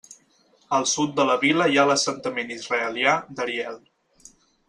Al sud de la vila hi ha l'assentament israelià d'Ariel.